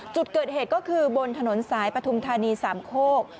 จุดเกิดเหตุก็คือบนถนนสายปฐุมธานีสามโคก